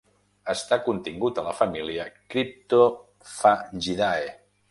Està contingut a la família Cryptophagidae.